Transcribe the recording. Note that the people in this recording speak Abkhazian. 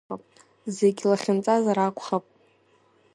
Зегь лахьынҵазар акәхап.